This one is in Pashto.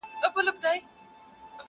ورښكاره چي سي دښمن زړه يې لړزېږي،